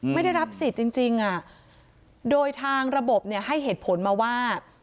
ไม่ได้รับสิทธิ์จริงโดยทางระบบเนี่ยให้เหตุผลมาว่า